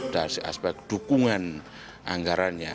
dari aspek dukungan anggarannya